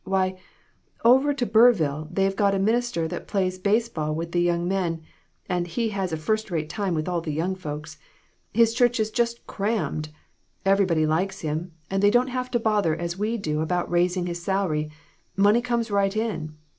Why, over to Burrville they've got a minister that plays base ball with the young men, and has a first rate time with all the young folks. His church is just crammed. Everybody likes him, and they don't have to bother as we do about raising his salary ; money comes right in.